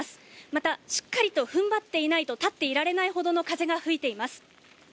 また、しっかりとふんばっていないと立っていられないほどの風が吹いています。